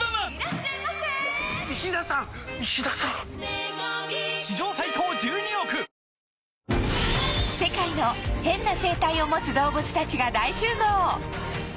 Ｎｏ．１世界のヘンな生態を持つ動物たちが大集合